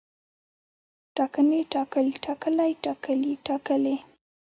ټاکنې، ټاکل، ټاکلی، ټاکلي، ټاکلې